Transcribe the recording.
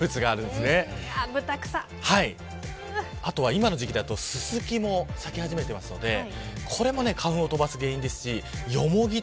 今の時期だと、ススキも咲き始めていますがこれも花粉を飛ばす原因です。